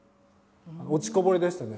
落ちこぼれでしたね。